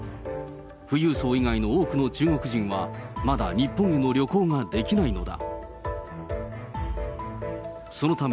富裕層以外の多くの中国人は、まだ日本への旅行ができないのだ。